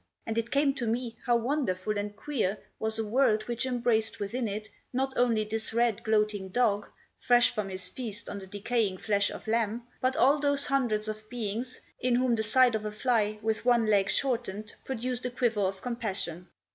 And it came to me, how wonderful and queer was a world which embraced within it, not only this red gloating dog, fresh from his feast on the decaying flesh of lamb, but all those hundreds of beings in whom the sight of a fly with one leg shortened produced a quiver of compassion.